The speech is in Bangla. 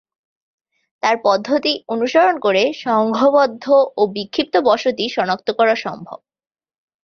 তার পদ্ধতি অনুসরণ করে সংঘবদ্ধ ও বিক্ষিপ্ত বসতি শনাক্ত করা সম্ভব।